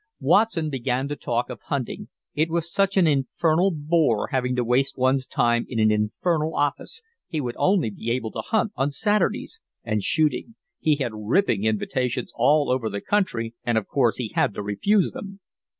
Watson began to talk of hunting—it was such an infernal bore having to waste one's time in an infernal office, he would only be able to hunt on Saturdays—and shooting: he had ripping invitations all over the country and of course he had to refuse them.